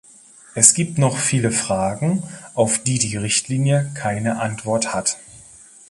Es gibt noch viele Fragen, auf die die Richtlinie keine Antwort hat.